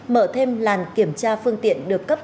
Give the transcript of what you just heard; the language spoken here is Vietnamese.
mở thêm làn kiểm tra phương tiện được cấp